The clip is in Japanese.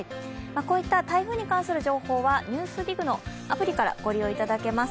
こういった台風に関する情報は「ＮＥＷＳＤＩＧ」のアプリからご利用いただけます。